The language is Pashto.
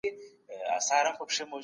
تاسو بايد د مطالعې لپاره هدف ولرئ.